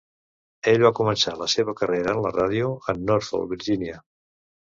Ell va començar la seva carrera en la ràdio en Norfolk, Virgínia.